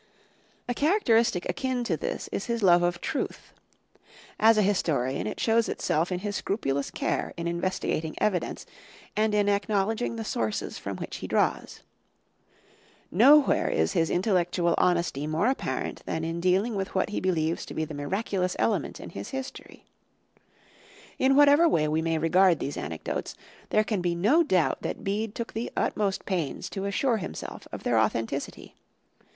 A characteristic akin to this is his love of truth. As a historian, it shows itself in his scrupulous care in investigating evidence and in acknowledging the sources from which he draws. Nowhere is his intellectual honesty more apparent than in dealing with what he believes to be the miraculous element in his history. In whatever way we may regard these anecdotes, there can be no doubt that Bede took the utmost pains to assure himself of their authenticity.